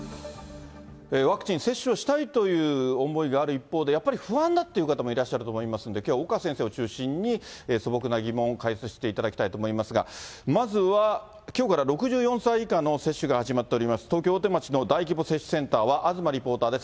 ワクチン接種をしたいという思いがある一方で、やっぱり不安だっていう方もいらっしゃると思いますんで、きょうは岡先生を中心に、素朴な疑問を解説していただきたいと思いますが、まずはきょうから６４歳以下の接種が始まっております、東京・大手町の大規模接種センターは、東リポーターです。